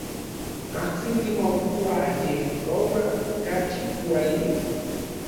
¿Katli timokuayejkoua okachi kuali?